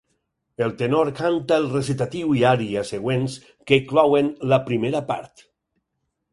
El tenor canta el recitatiu i ària següents, que clouen la primera part.